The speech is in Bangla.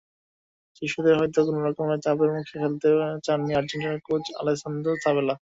শিষ্যদের হয়তো কোনো রকম চাপের মুখে ফেলতে চাননি আর্জেন্টিনার কোচ আলেসান্দ্রো সাবেলা।